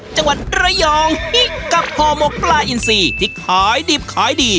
จังหวัดระยองกับห่อหมกปลาอินซีที่ขายดิบขายดี